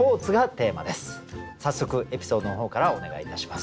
早速エピソードの方からお願いいたします。